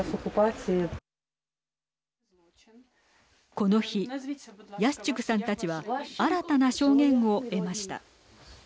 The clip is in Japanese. この日、ヤスチュクさんたちは新たな証言を得ました。